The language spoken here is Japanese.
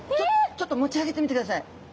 ちょっと持ち上げてみてください。